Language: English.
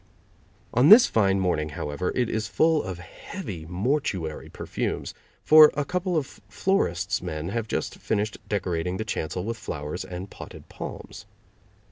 On this fine morning, however, it is full of heavy, mortuary perfumes, for a couple of florist's men have just finished decorating the chancel with flowers and potted palms.